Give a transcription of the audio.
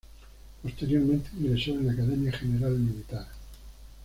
Posteriormente, ingresó en la Academia General Militar.